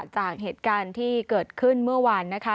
จากเหตุการณ์ที่เกิดขึ้นเมื่อวานนะคะ